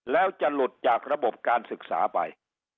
แล้วจะหลุดจากระบบการศึกษาไป